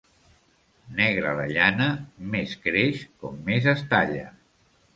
Negra la llana, més creix com més es talla.